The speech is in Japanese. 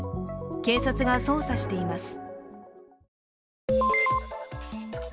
警察が捜査しています。